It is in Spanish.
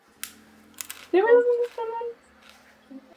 Es una de las Deidades de la Religión yoruba.